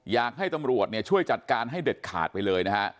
อยากให้ตำรวจช่วยจัดการข์ให้เด็ดขาดไปเลย